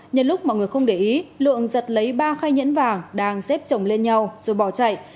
nhân lúc mọi người không để ý lượng giật lấy ba khai nhẫn vàng đang xếp trồng lên nhau rồi bỏ chạy